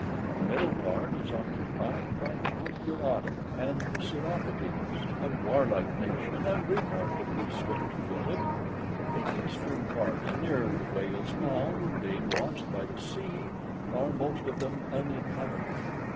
The middle part is occupied by the Paguradae, {105a} and the Psittopodes, {105b} a warlike nation, and remarkably swift footed. The eastern parts, near the whale's mouth, being washed by the sea, are most of them uninhabited.